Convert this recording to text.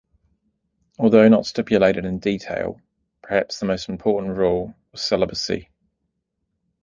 Although not stipulated in detail, perhaps the most important rule was celibacy.